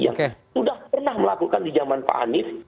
yang sudah pernah melakukan di zaman pak anies